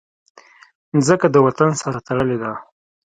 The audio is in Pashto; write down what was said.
مځکه د وطن سره تړلې ده.